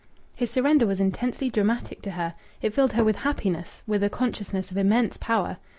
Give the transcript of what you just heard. His surrender was intensely dramatic to her. It filled her with happiness, with a consciousness of immense power.